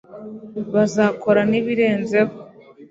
bazakora n'ibirenzeho